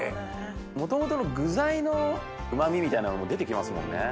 元々の具材のうま味みたいなのも出てきますもんね。